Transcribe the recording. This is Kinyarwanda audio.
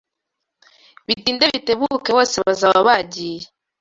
Bitinde bitebuke bose bazaba bagiye